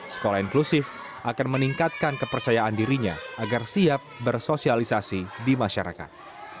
sekolah inklusif akan meningkatkan kepercayaan dirinya agar siap bersosialisasi di masyarakat